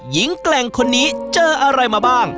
แกร่งคนนี้เจออะไรมาบ้าง